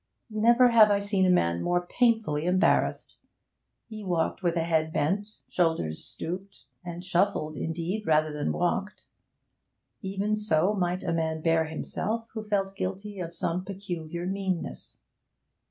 Never have I seen a man more painfully embarrassed. He walked with head bent, shoulders stooping; and shuffled, indeed, rather than walked. Even so might a man bear himself who felt guilty of some peculiar meanness.